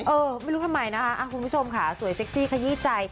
เออไม่รู้ทำไมนะคะคุณผู้ชมค่ะสวยเซ็กซี่ขยี้ใจ